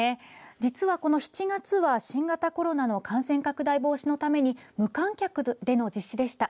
実はこの７月は新型コロナの感染拡大防止のために無観客での実施でした。